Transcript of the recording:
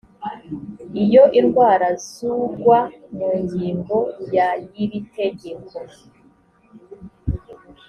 iyo indwara z ugwa mu ngingo ya y iri tegeko